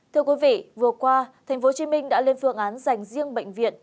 thưa quý vị vừa qua tp hcm đã lên phương án dành riêng bệnh viện